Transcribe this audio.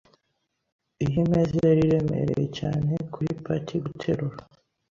Iyi meza yari iremereye cyane. kuri Patty guterura .